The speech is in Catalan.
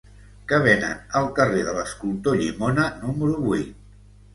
Què venen al carrer de l'Escultor Llimona número vuit?